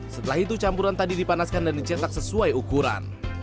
setelah itu campuran tadi dipanaskan dan dicetak sesuai ukuran